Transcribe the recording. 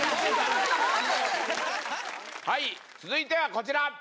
はい続いてはこちら！